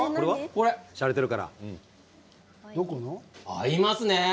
これ、合いますね。